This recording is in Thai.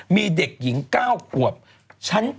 มีเด็กหญิง๙ขวบชั้น๘